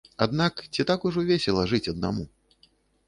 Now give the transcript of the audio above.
Аднак ці так ўжо весела жыць аднаму?